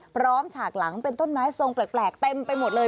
ฉากหลังเป็นต้นไม้ทรงแปลกเต็มไปหมดเลย